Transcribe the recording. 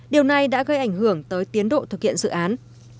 điều này đã gây ảnh hưởng tới tiến độ thực hiện dự án